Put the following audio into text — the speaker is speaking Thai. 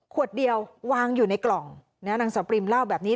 ขวดเดียววางอยู่ในกล่องนางสาวปริมเล่าแบบนี้